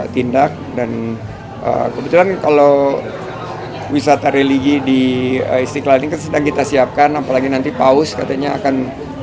tindak dan kebetulan kalau wisata religi di istiqlal ini kan sedang kita siapkan apalagi nanti paus katanya akan